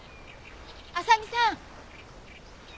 ・浅見さん。